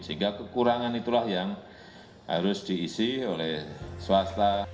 sehingga kekurangan itulah yang harus diisi oleh swasta